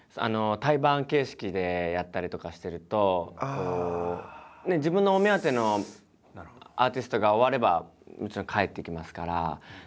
対バン形式でやったりとかしてると自分のお目当てのアーティストが終わればもちろん帰っていきますから。